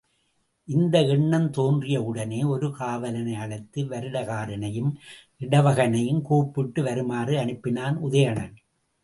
இந்த எண்ணம் தோன்றியவுடனே ஒரு காவலனை அழைத்து, வருடகாரனையும் இடவகனையும் கூப்பிட்டு வருமாறு அனுப்பினான் உதயணன்.